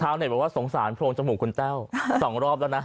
บอกว่าสงสารโพรงจมูกคุณแต้ว๒รอบแล้วนะ